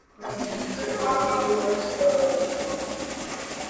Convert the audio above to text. فرانسیسی سفیر کی اویس لغاری سے ملاقات